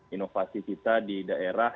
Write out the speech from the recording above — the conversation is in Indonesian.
inovasi kita di daerah